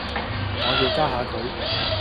我要加下佢